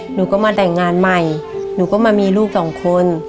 หนูก็มาแต่งงานใหม่หนูก็มามีลูกสองคน